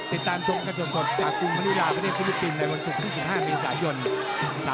ติดตามชมกันสดจากกรุงพนุษยาประเทศภูมิปริมในวันสุข๒๕มีศาลยนต์